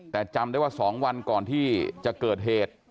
แต่จำได้ว่า๒วันก่อนที่จะเกิดเหตุ